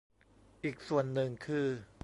อีกส่วนหนึ่งคือ